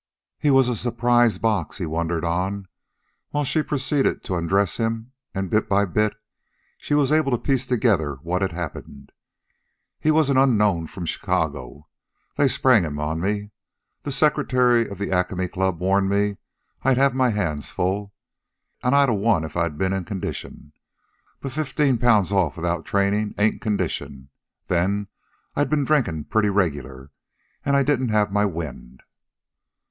"He was a surprise box," he wandered on, while she proceeded to undress him; and bit by bit she was able to piece together what had happened. "He was an unknown from Chicago. They sprang him on me. The secretary of the Acme Club warned me I'd have my hands full. An' I'd a won if I'd been in condition. But fifteen pounds off without trainin' ain't condition. Then I'd been drinkin' pretty regular, an' I didn't have my wind."